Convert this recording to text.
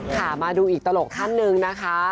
ค่ะมาดูอีกตลกท่านหนึ่งนะคะ